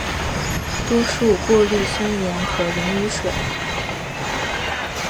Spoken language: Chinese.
多数过氯酸盐可溶于水。